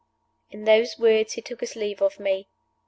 In those words he took his leave of me.